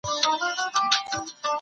ننګيالى بڅرکى محمدرسول پښتون